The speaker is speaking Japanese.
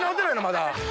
まだ。